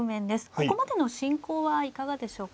ここまでの進行はいかがでしょうか。